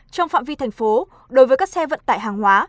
trong phạm vi thành phố đối với các xe vận tải hàng hóa